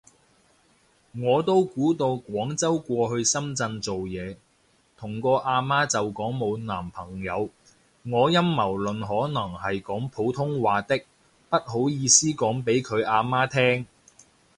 我都估到廣州過去深圳做嘢，同個啊媽就講冇男朋友。，我陰謀論可能係講普通話的，不好意思講畀佢啊媽聼